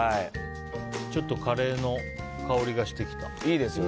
ちょっとカレーの香りがしてきた。